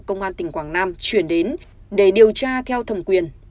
công an tỉnh quảng nam chuyển đến để điều tra theo thẩm quyền